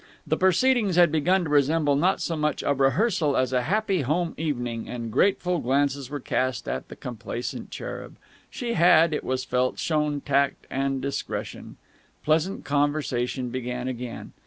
The proceedings had begun to resemble not so much a rehearsal as a happy home evening, and grateful glances were cast at the complacent cherub. She had, it was felt, shown tact and discretion. Pleasant conversation began again.